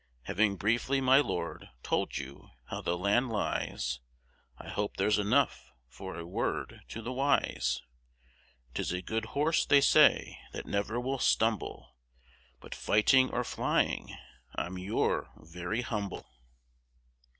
Having briefly, my lord, told you, how the land lies, I hope there's enough for a word to the wise; 'Tis a good horse, they say, that never will stumble, But, fighting or flying, I'm your very humble.